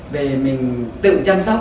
về mình tự chăm sóc